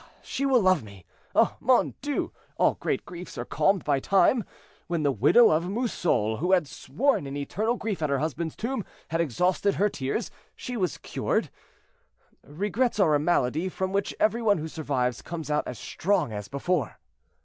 Ah! she will love me. Oh! mon Dieu, all great griefs are calmed by time. When the widow of Mausole, who had sworn an eternal grief at her husband's tomb, had exhausted her tears, she was cured. Regrets are a malady, from which every one who survives comes out as strong as before."